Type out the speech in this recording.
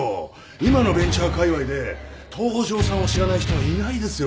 今のベンチャーかいわいで東城さんを知らない人はいないですよ。